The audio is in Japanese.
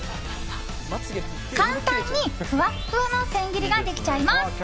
簡単にふわふわの千切りができちゃいます。